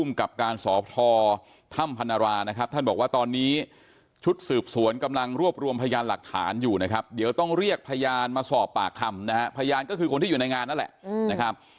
มาสอบปากคำนะฮะพยานก็คือคนที่อยู่ในงานนั่นแหละอืมนะครับ